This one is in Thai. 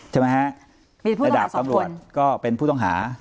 ใช่ไหมฮะระดับตำรวจก็เป็นผู้ต้องหา